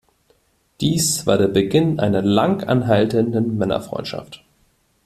Dies war der Beginn einer lang anhaltenden Männerfreundschaft.